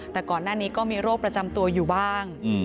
แต่ก่อนหน้านี้ก็มีโรคประจำตัวอยู่บ้าง